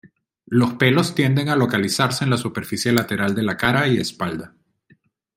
Los pelos tienden a localizarse en la superficie lateral de la cara y espalda.